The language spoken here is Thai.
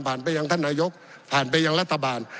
ไปยังท่านนายกผ่านไปยังรัฐบาล